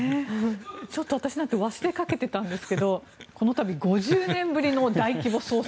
ちょっと私なんて忘れかけていたんですがこの度、５０年ぶりの大規模捜索